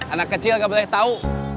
anak kecil gak boleh tahu